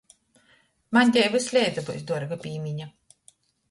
Maņ tei vysleidza byus duorga pīmiņa!